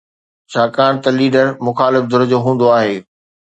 ڇاڪاڻ ته ليڊر مخالف ڌر جو هوندو آهي.